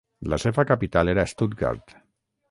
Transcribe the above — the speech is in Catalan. La seva capital era Stuttgart.